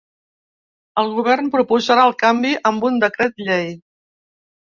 El govern proposarà el canvi amb un decret llei.